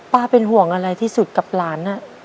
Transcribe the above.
เป็นห่วงอะไรที่สุดกับหลาน